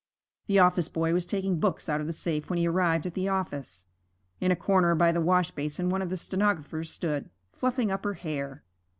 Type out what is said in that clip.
The office boy was taking books out of the safe when he arrived at the office. In a corner by the wash basin one of the stenographers stood, fluffing up her hair.